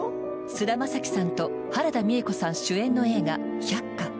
菅田将暉さんと原田美枝子さん主演の映画「百花」。